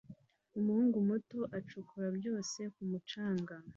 Umuhungu muto acukura byose ku mucanga